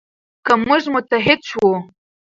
که موږ متحد شو.